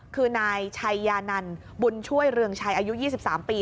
คือนายชัยยานันบุญช่วยเรืองชัยอายุ๒๓ปี